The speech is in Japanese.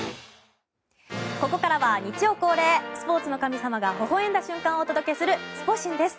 ここからは日曜恒例スポーツの神様がほほ笑んだ瞬間をお届けするスポ神です。